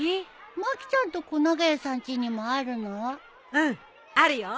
うんあるよ。